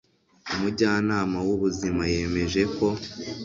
umujyanama w'ubuzima yemeje ko